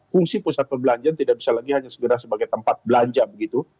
fungsi pusat perbelanjaan tidak bisa lagi hanya segera sebagai tempat belanja begitu